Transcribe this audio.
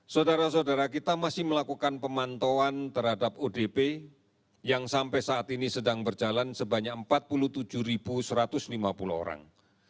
saudara saudara kita masih melakukan pemantauan terhadap odp yang sampai saat ini sedang berjalan sebanyak empat puluh tujuh satu ratus lima puluh orang